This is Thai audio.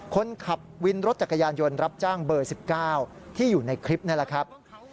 คนขับวินรถจักรยานยนต์รับจ้างเบอร์๑๙ที่อยู่ในคลิปนี่แหละครับ